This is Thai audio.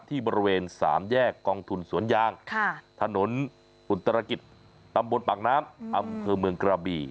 ที่บริเวณ๓แยกกองทุนสวนยางถนนอุตรกิจตำบลปากน้ำอำเภอเมืองกระบี